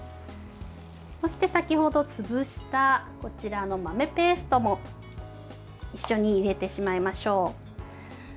そして先ほど潰したこちらの豆ペーストも一緒に入れてしまいましょう。